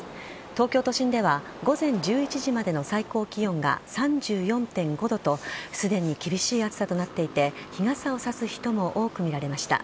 東京都心では午前１１時までの最高気温が３４．５度とすでに厳しい暑さとなっていて日傘を差す人も多く見られました。